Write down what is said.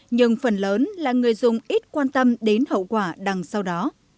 nhưng phần lớn là người dùng ít quan tâm đến hậu quả đằng sau đó